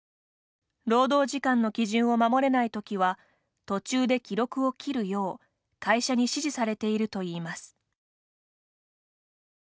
労働時間の基準を守れないときは途中で記録を切るよう会社に指示されているといいます。